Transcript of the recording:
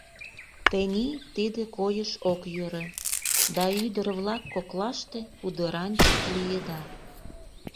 Тений тиде койыш ок йӧрӧ, да ӱдыр-влак коклаште пудыранчык лиеда.